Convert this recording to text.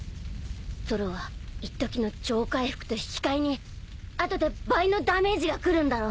ゾロはいっときの超回復と引き換えに後で倍のダメージが来るんだろ？